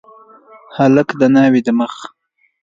هلک د ناوي د مخ